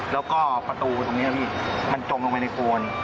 แล้วก็ประตูตรงนี้พี่มันจมลงไปในโฟน